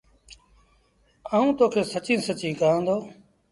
آئوٚنٚ تو کي سچيٚݩ سچيٚݩ ڪهآندو